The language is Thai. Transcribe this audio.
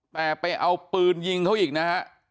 แต่ไปเอาปืนยิงเขาอีกนะฮะ